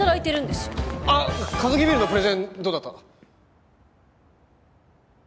あっカヅキビールのプレゼンどうだった？